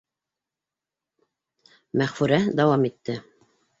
Мәғфүрә дауам итте: